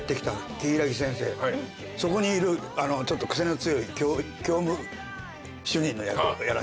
そこにいるちょっと癖の強い教務主任の役をやらして。